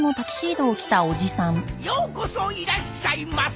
ようこそいらっしゃいませ！